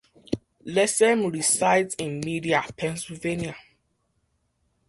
Lessem resides in Media, Pennsylvania.